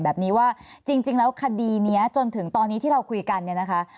แบบนี้ว่าจริงแล้วคดีนี้จนถึงตอนนี้ที่เราคุยกันเนี่ยนะคะ